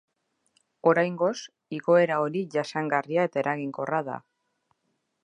Oraingoz, igoera hori jasangarria eta eraginkorra da.